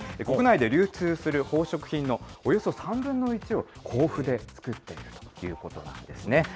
国内で流通する宝飾品のおよそ３分の１を、甲府で作っているということなんですね。